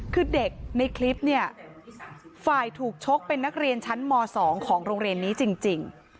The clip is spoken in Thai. คือเด็กในคลิปเนี่ยฝ่ายถูกชกเป็นนักเรียนชั้นม๒ของโรงเรียนนี้จริง